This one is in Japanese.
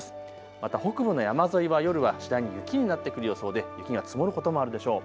また北部の山沿いは夜は次第に雪になってくる予想で雪が積もることもあるでしょう。